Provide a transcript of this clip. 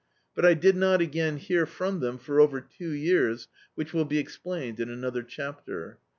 But I did not again hear from them for over two years, which will be explained in another chapter.